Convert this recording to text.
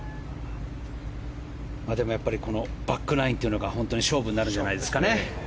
でもやっぱりこのバックナインというのが本当に勝負になるんじゃないですかね。